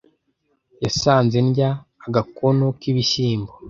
yasanze ndya agakono k' ibishyimbo,